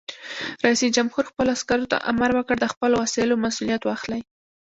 رئیس جمهور خپلو عسکرو ته امر وکړ؛ د خپلو وسایلو مسؤلیت واخلئ!